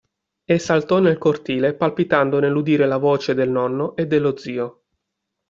E saltò nel cortile palpitando nell'udire la voce del nonno e dello zio.